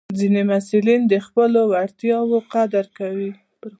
ځینې محصلین د خپلو وړتیاوو قدر کوي.